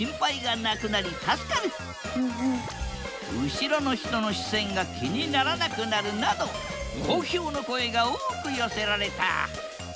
後ろの人の視線が気にならなくなるなど好評の声が多く寄せられた。